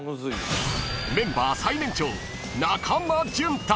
［メンバー最年長］